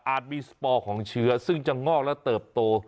มีสปอร์ของเชื้อซึ่งจะงอกและเติบโต